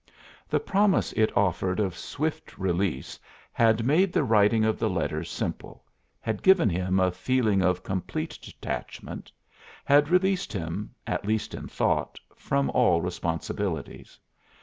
The promise it offered of swift release had made the writing of the letters simple, had given him a feeling of complete detachment, had released him, at least in thought, from all responsibilities.